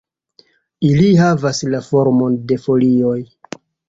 Ili havas la formon de folioj.